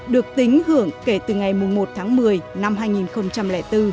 được tính hưởng kể từ ngày một tháng một mươi năm hai nghìn bốn